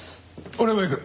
俺も行く。